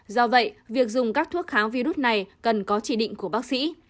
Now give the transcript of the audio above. do vậy việc dùng các thuốc kháng virus này cần có chỉ định của bác sĩ